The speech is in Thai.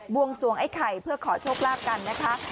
วงสวงไอ้ไข่เพื่อขอโชคลาภกันนะคะ